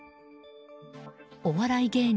お笑い芸人